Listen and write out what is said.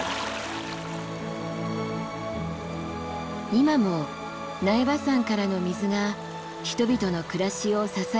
今も苗場山からの水が人々の暮らしを支え続けています。